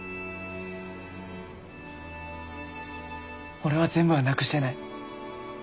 俺は全部はなくしてない。